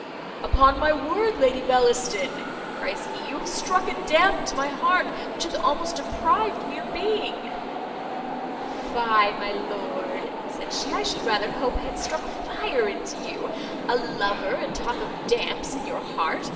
"Upon my word, Lady Bellaston," cries he, "you have struck a damp to my heart, which hath almost deprived me of being." "Fie, my lord," said she, "I should rather hope I had struck fire into you. A lover, and talk of damps in your heart!